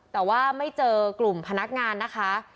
แต่ว่าไม่เจอกลุ่มพนักงานนะคะ